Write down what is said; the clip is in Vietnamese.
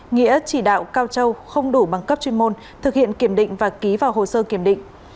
nghĩa chỉ đạo cao châu không đủ bằng cấp chuyên môn thực hiện kiểm định và ký vào hồ sơ kiểm định